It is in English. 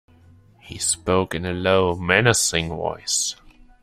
He spoke in a low, menacing voice.